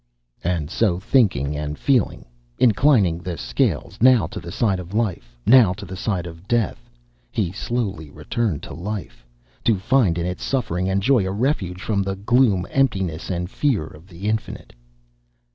And so thinking and feeling, inclining the scales now to the side of life, now to the side of death, he slowly returned to life, to find in its suffering and joy a refuge from the gloom, emptiness and fear of the Infinite.